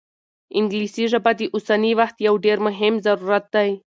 انګلیسي ژبه د اوسني وخت یو ډېر مهم ضرورت دی.